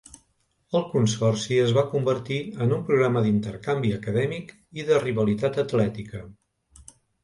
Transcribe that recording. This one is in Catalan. El consorci es va convertir en un programa d'intercanvi acadèmic i de rivalitat atlètica.